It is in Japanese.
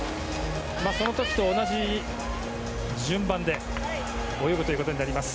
その時と同じ順番で泳ぐことになります。